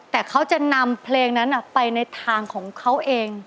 แต่เขาจะนำเพลงนั้นไปในทางของเขาเอง